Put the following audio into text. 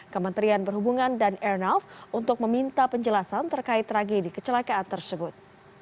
kementerian perhubungan dan airnav untuk meminta penjelasan terkait tragedi kecelakaan tersebut